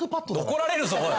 怒られるぞおい！